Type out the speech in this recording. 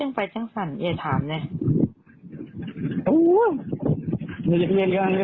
ว่าต่อง่างหมู่เดอะ